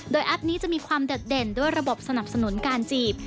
แอปนี้จะมีความโดดเด่นด้วยระบบสนับสนุนการจีบ